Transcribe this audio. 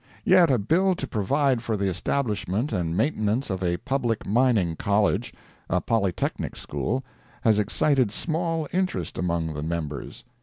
Yet a bill to provide for the establishment and maintenance of a public mining college—a polytechnic school—has excited small interest among the members.